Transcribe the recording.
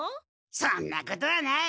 そんなことはない！